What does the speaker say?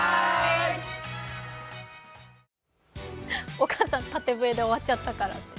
お母さん、縦笛で終わっちゃったから。